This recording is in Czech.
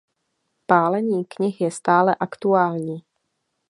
Pálení knih je stále aktuální.